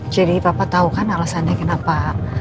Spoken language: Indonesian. jadi papa tau kan alasannya kenapa